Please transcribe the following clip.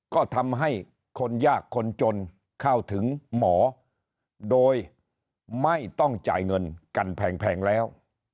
ก็ทำให้คนยากคนจนเข้าถึงหมอโดยไม่ต้องจ่ายเงินกันแพงแล้ว